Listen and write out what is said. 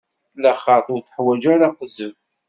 Laxert ur teḥwaǧ ara aqezzeb.